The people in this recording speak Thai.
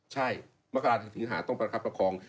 ใช่มกราศถึงสิงหาต้องประคับประคอง